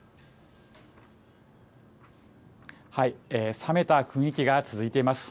冷めた雰囲気が続いています。